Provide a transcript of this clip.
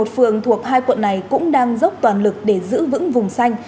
một mươi một phường thuộc hai quận này cũng đang dốc toàn lực để giữ vững vùng xanh